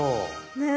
ねえ。